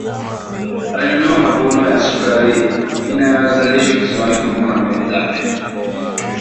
Ulinunua mavuno ya sukari inayozalishwa kisiwani humo na meli zake